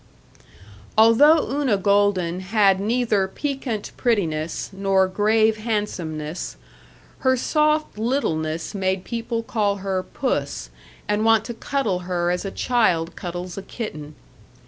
Although Una Golden had neither piquant prettiness nor grave handsomeness, her soft littleness made people call her "Puss," and want to cuddle her as a child cuddles a kitten.